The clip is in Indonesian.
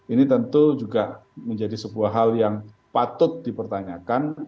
ini tentu juga menjadi sebuah hal yang patut dipertanyakan